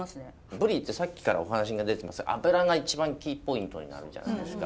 ぶりってさっきからお話が出てますが脂が一番キーポイントになるじゃないですか。